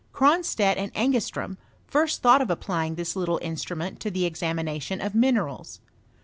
Cronstedt and Engestroem first thought of applying this little instrument to the examination of minerals.